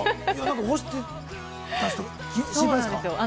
干してる人、心配なんですか？